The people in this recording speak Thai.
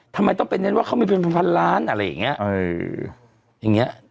ทำไมต้องไปเน้นว่าเขามีเป็นพันล้านอะไรอย่างนี้